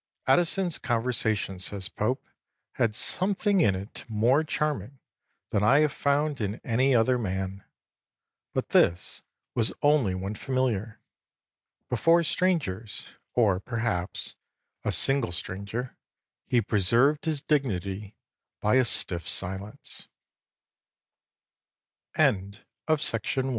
'... 'Addison's conversation,' says Pope, 'had something in it more charming than I have found in any other man. But this was only when familiar; before strangers, or, perhaps, a single stranger, he preserved his dignity by a